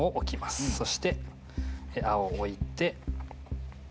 そして青置いて。